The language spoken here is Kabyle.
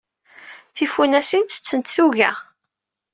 Tifunasin ttettent tuga.